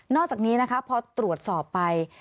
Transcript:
อกจากนี้นะคะพอตรวจสอบไป